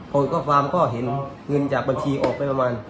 เห็นเงินจากบัญชีออกไปประมาณ